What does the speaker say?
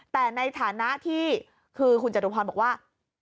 แต่ในฐานะที่คือคุณจตุพรบอกว่า